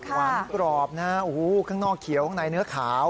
หวานกรอบนะโอ้โหข้างนอกเขียวข้างในเนื้อขาว